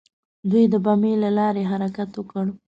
دوی د بمیي له لارې حرکت وکړ.